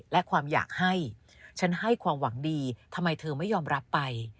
และความอยากให้ฉันให้ความหวังดีทำไมเธอไม่ยอมรับไป